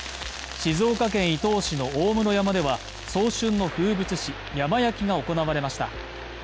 静岡県伊東市の大室山では、早春の風物詩、山焼きが行われました。